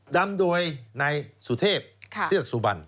นำโดยนายสุเทพเทือกสุบัน